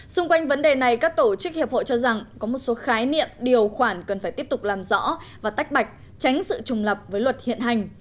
xung quanh vấn đề này các tổ chức hiệp hội cho rằng có một số khái niệm điều khoản cần phải tiếp tục làm rõ và tách bạch tránh sự trùng lập với luật hiện hành